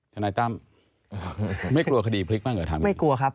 ทนายตั้มไม่กลัวคดีพลิกบ้างเหรอถามไม่กลัวครับ